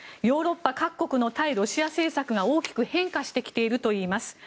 ヨーロッパ各国の対ロシア政策が大きく変化してきているといいます。